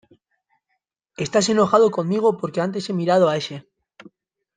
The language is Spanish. estás enojado conmigo porque antes he mirado a ése...